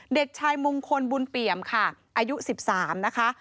เด็กชายมงคลบุญเปี่ยมค่ะอายุ๑๓นะคะ